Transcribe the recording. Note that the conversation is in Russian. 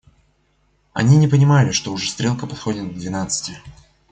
Они не понимали, что уже стрелка подходит к двенадцати.